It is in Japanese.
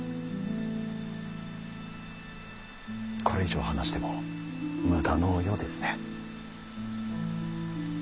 これ以上話しても無駄のようですね。